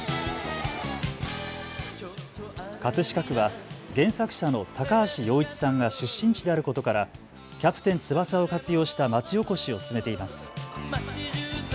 葛飾区は原作者の高橋陽一さんが出身地であることからキャプテン翼を活用したまちおこしを進めています。